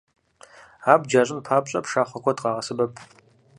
Абдж ящӀын папщӀэ, пшахъуэ куэд къагъэсэбэп.